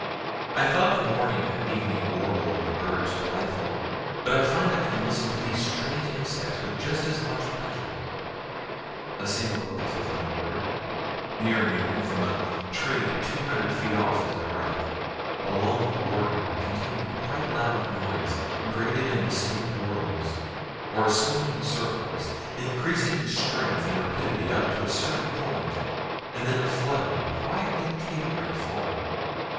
I thought the morning and evening warble of birds delightful; but I find I can listen to these strange insects with just as much pleasure. A single locust is now heard near noon from a tree two hundred feet off, as I write a long whirring, continued, quite loud noise graded in distinct whirls, or swinging circles, increasing in strength and rapidity up to a certain point, and then a fluttering, quietly tapering fall.